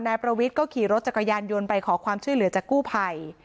นายประวิทย์ก็ขี่รถจักรยานยนต์ไปขอความช่วยเหลือจากกู้ภัย